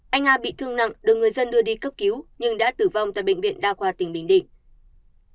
anh a bị thương nặng được người dân đưa đi cấp cứu nhưng đã tử vong tại bệnh viện đa khoa tỉnh bình định